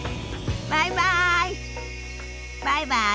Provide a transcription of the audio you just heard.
バイバイ。